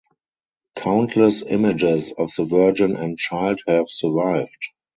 Countless images of the virgin and child have survived.